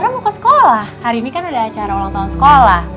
saya mau ke sekolah hari ini kan ada acara ulang tahun sekolah